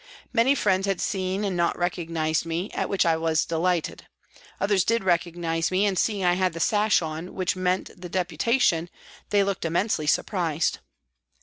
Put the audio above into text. Many friends had seen and not recognised me, at which I was delighted. Others did recognise me, and seeing I had the sash on, which meant the Deputation, they looked immensely surprised.